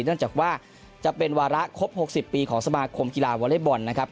นั่นจากว่าจะเป็นวาระครบหกสิบปีของสมาคมกีฬาวอเลเบิ้ลนะครับ